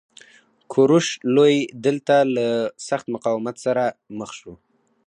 کوروش لوی دلته له سخت مقاومت سره مخ شو